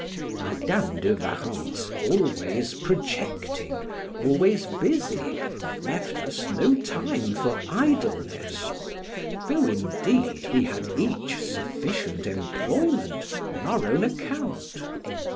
Madam de Warrens always projecting, always busy, left us no time for idleness, though, indeed, we had each sufficient employment on our own account.